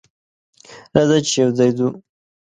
راځه چې یوځای ځو.